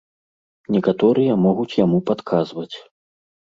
Некаторыя могуць яму падказваць.